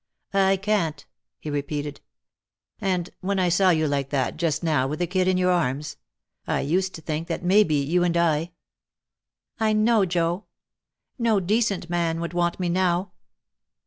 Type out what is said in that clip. "I can't," he repeated. "And when I saw you like that just now, with the kid in your arms I used to think that maybe you and I " "I know, Joe. No decent man would want me now."